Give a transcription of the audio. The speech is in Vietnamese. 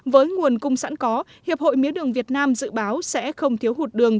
với nguồn cung sẵn có hiệp hội mía đường việt nam dự báo sẽ không thiếu hụt đường